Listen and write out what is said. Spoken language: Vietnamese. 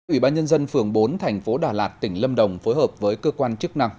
ủy ban nhân dân phường bốn thành phố đà lạt tỉnh lâm đồng phối hợp với cơ quan chức năng